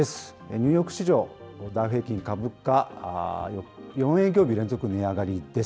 ニューヨーク市場、ダウ平均株価、４営業日連続値上がりです。